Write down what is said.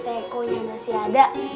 tekonya masih ada